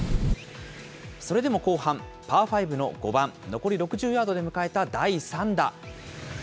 それでも後半、パー５の５番、残り６０ヤードで迎えた第３打。